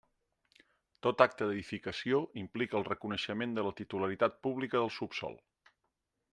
Tot acte d'edificació implica el reconeixement de la titularitat pública del subsòl.